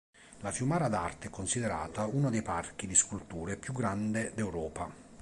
La Fiumara d'arte è considerata uno dei parchi di sculture più grande d'Europa.